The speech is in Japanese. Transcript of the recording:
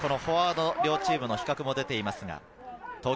フォワード、両チームの比較も出ています。